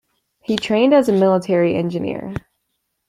He trained as a military engineer.